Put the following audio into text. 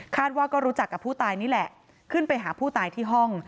ว่าก็รู้จักกับผู้ตายนี่แหละขึ้นไปหาผู้ตายที่ห้อง